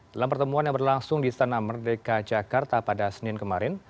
dalam pertemuan yang berlangsung di istana merdeka jakarta pada senin kemarin